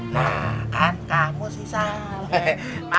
nah kan kamu sih salmeh